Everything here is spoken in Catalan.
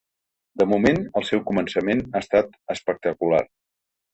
De moment, el seu començament ha estat espectacular.